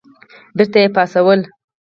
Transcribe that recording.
بېرته یې پاڅول.